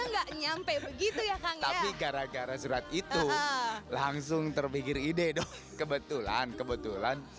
enggak nyampe begitu ya tapi gara gara surat itu langsung terpikir ide dong kebetulan kebetulan